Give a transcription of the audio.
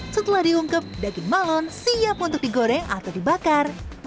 setelah diungkep daging malon siap untuk digoreng atau dibakar